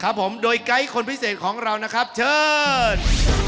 ครับผมโดยไกด์คนพิเศษของเรานะครับเชิญ